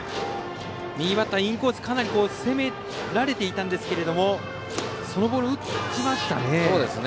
右バッター、インコースかなり攻められていたんですがそのボールを打ちましたね。